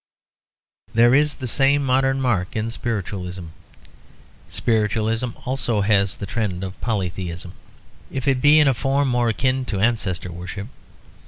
There is the same modern mark in Spiritualism. Spiritualism also has the trend of polytheism, if it be in a form more akin to ancestor worship.